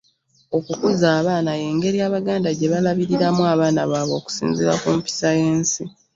Okukuza abaana y’engeri Abaganda gye balabiriramu abaana baabwe okusinziira ku mpisa y’ensi.